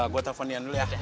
gue telepon ian dulu ya